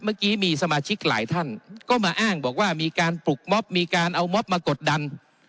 เมื่อกี้มีสมาชิกหลายท่านก็มาอ้างบอกว่ามีการปลุกม็อบมีการเอามอบมากดดัน